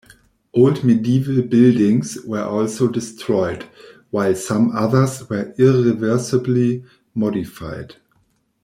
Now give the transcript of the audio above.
Old medieval buildings were also destroyed, while some others were irreversibly modified.